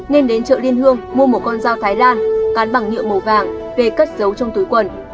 nên đến chợ liên hương mua một con dao thái lan cán bằng nhựa màu vàng về cất giấu trong túi quần